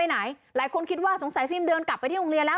หลายคนคิดว่าสงสัยฟิล์มเดินกลับไปที่โรงเรียนแล้ว